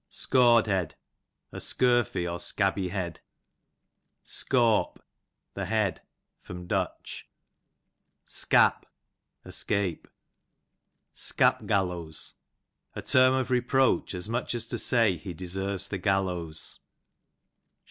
Scawd head, a scurfy, or scabby head. Scawp, the head. Du. Soap, escape. Scap gallows, «. term of reproach, as nrnch as to say he deserves the gallows.